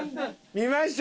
見ました？